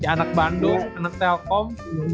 anak bandung anak telkom